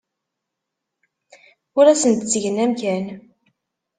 Ur asen-d-ttgeɣ amkan.